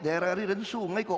daerah daerah itu sungai kok